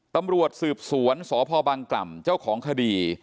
ตำรวจสืบสวนสพบังกล่ำเจ้าของคดี